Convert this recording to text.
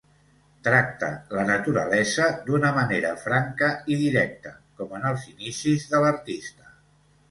Tracta la naturalesa d'una manera franca i directa, com en els inicis de l'artista.